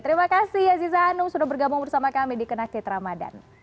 terima kasih aziza anum sudah bergabung bersama kami di kenak cet ramadhan